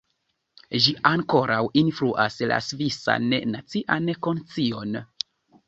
Ĝi ankoraŭ influas la svisan nacian konscion.